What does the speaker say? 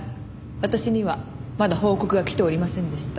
私にはまだ報告が来ておりませんでした。